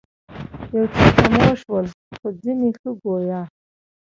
یو څه خموش ول خو ځینې ښه ګویا.